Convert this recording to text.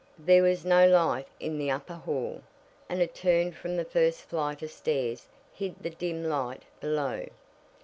There was no light in the upper hall, and a turn from the first flight of stairs hid the dim light below.